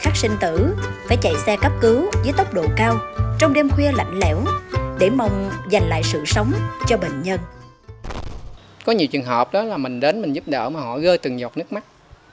có nhiều trường hợp đó là mình đến mình giúp đỡ mà họ gơi từng giọt nước mắt